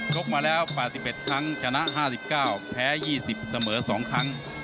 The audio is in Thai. กมาแล้ว๘๑ครั้งชนะ๕๙แพ้๒๐เสมอ๒ครั้ง